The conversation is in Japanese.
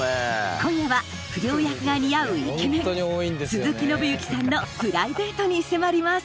今夜は不良役が似合うイケメン鈴木伸之さんのプライベートに迫ります